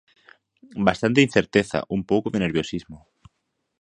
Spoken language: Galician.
Bastante incerteza, un pouco de nerviosismo.